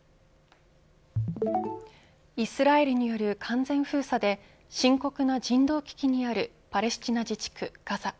イスラエルによる完全封鎖で深刻な人道危機にあるパレスチナ自治区ガザ。